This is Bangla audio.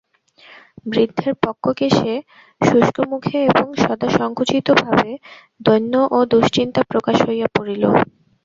বৃদ্ধের পক্ককেশে শুষ্কমুখে এবং সদাসংকুচিত ভাবে দৈন্য এবং দুশ্চিন্তা প্রকাশ হইয়া পড়িল।